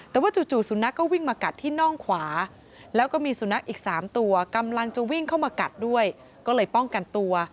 แต่ว่าจู่สุนัขก็วิ่งมากัดที่น่องขวาแล้วก็มีสุนัขอีก๓ตัวกำลังจะวิ่งเข้ามากัดด้วยก็เลยป้องกันตัว